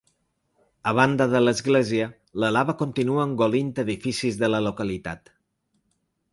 A banda de l’església, la lava continua engolint edificis de la localitat.